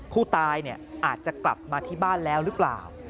ผู้ตายอาจจะกลับมาที่บ้านแล้วหรือเปล่า